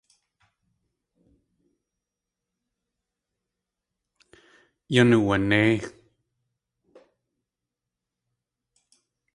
Yan uwanéi.